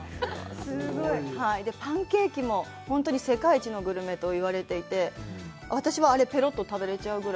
パンケーキも、本当に世界一のグルメと言われていて、私はあれをペロッと食べれちゃうぐらい。